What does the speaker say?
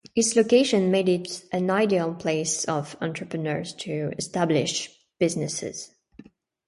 Its location made it an ideal place of entrepreneurs to establish businesses.